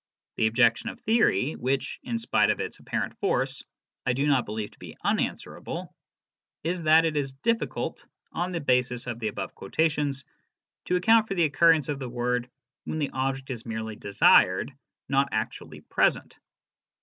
The objection of theory (which, in spite of its apparent force, I do not believe to be unanswerable) is that it is difficult, on the basis of the above quotations, to account for the occurrence of the word when the object is merely desired, not actually present.